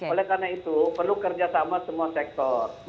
oleh karena itu perlu kerja sama semua sektor